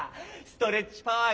ストレッチパワー！